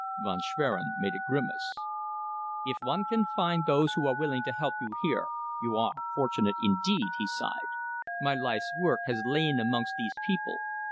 Von Schwerin made a grimace. "If you can find those who are willing to help you here, you are fortunate indeed," he sighed. "My life's work has lain amongst these people.